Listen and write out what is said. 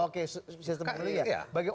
oke sistem pemilu ya